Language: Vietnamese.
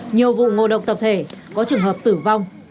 nhiều vụ ngộ độc tập thể có trường hợp tử vong